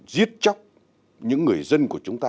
giết chóc những người dân của chúng ta